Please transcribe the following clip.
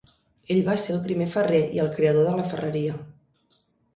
Ell va ser el primer ferrer i el creador de la ferreria.